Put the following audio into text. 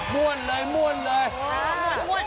มวลเลยมวลเลย